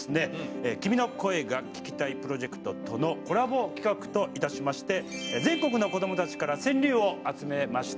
「君の声が聴きたい」プロジェクトとのコラボ企画といたしまして全国の子どもたちから川柳を集めました。